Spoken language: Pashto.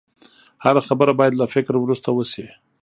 هره خبره باید له فکرو وروسته وشي